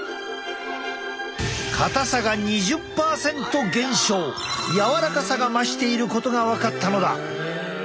硬さが２０％減少柔らかさが増していることが分かったのだ。